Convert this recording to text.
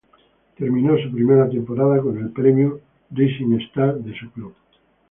Terminó su primera temporada con el premio Rising Star de su club.